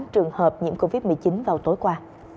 trường hợp nhiễm covid một mươi chín vào tối qua